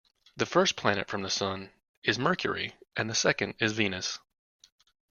The first planet from the sun is Mercury, and the second is Venus